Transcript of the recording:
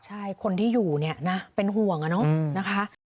ใช่คนที่อยู่เนี่ยนะเป็นห่วงอะเนาะนะคะ